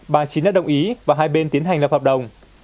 bà chín đã đồng ý và hai bên tiến hành lập hợp đồng